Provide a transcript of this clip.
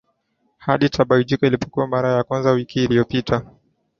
hadi Tibaijuka alipoibuka kwa mara ya kwanza wiki iliyopita